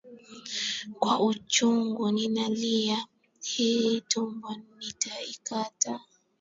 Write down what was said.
Kwa uchungu ninalia, hii tumbo nitaikata,